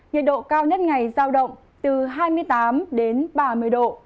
nhiệt độ cao nhất ngày giao động từ hai mươi tám đến ba mươi độ